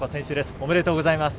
おめでとうございます。